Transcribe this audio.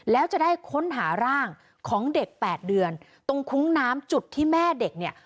แล้วจะได้ค้นหาร่างของเด็กแปดเดือนตรงคุ้งน้ำจุดที่แม่เด็กเนี่ย